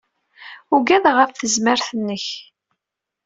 Ugadeɣ ɣef tezmert-nnek.